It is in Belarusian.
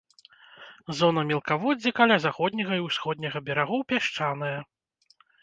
Зона мелкаводдзя каля заходняга і ўсходняга берагоў пясчаная.